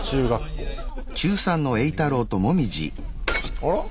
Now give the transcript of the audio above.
あら？